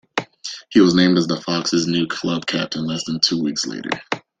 He was named as the "Foxes" new club captain less than two weeks later.